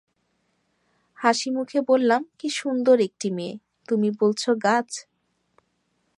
হাসিমুখে বললাম, কী সুন্দর একটি মেয়ে, তুমি বলছ গাছ?